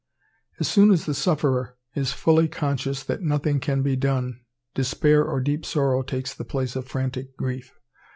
As soon as the sufferer is fully conscious that nothing can be done, despair or deep sorrow takes the place of frantic grief.